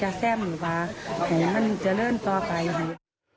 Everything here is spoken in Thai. ให้มันดินทางจะเริ่มต่อไป